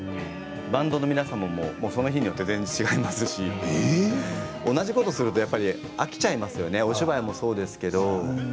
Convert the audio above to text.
バンドの皆さんもその日によって全然、違いますし同じことをすると飽きちゃいますよねお芝居もそうですけれど。